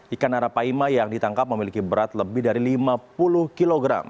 ikan arapaima yang ditangkap memiliki berat lebih dari lima puluh kg